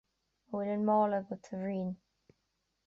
An bhfuil an mála agat, a Bhriain